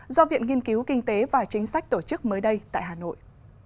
do viện nghiên cứu kinh tế và chính sách tổ chức mới đây tại hà nội